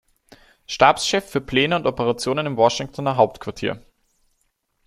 Stabschefs für Pläne und Operationen im Washingtoner Hauptquartier.